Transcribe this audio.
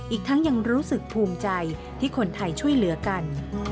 อีกทั้งยังรู้สึกภูมิใจที่คนไทยช่วยเหลือกัน